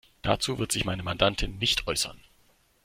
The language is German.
Dazu wird sich meine Mandantin nicht äußern.